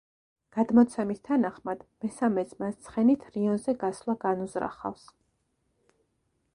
გადმოცემის თანახმად, მესამე ძმას ცხენით რიონზე გასვლა განუზრახავს.